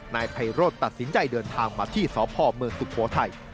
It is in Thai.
นายไพโรธตัดสินใจเดินทางมาที่สพเมืองสุโขทัย